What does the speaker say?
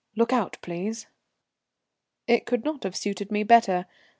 Look out, please." It could not have suited me better.